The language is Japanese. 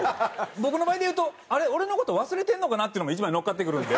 僕の場合で言うと「あれ？俺の事忘れてるのかな」っていうのも一枚のっかってくるんで。